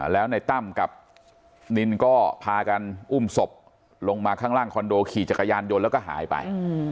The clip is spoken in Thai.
แล้วในตั้มกับนินก็พากันอุ้มศพลงมาข้างล่างคอนโดขี่จักรยานยนต์แล้วก็หายไป